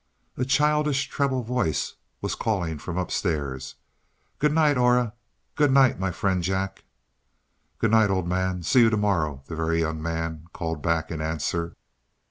A childish treble voice was calling from upstairs. "Good night, Aura good night, my friend Jack." "Good night, old man see you to morrow," the Very Young Man called back in answer.